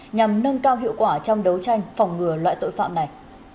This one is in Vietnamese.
nhằm nâng cao hiệu quả trong đấu tranh phòng ngừa loại tội phạm này